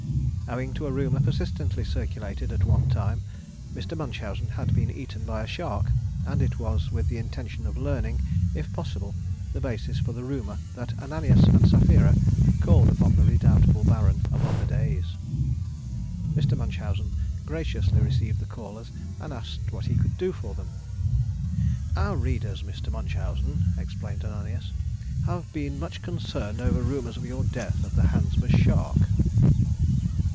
Owing to a rumour persistently circulated at one time, Mr. Munchausen had been eaten by a shark, and it was with the intention of learning, if possible, the basis for the rumour that Ananias and Sapphira called upon the redoubtable Baron of other days. Mr. Munchausen graciously received the callers and asked what he could do for them. "Our readers, Mr. Munchausen," explained Ananias, "have been much concerned over rumours of your death at the hands of a shark."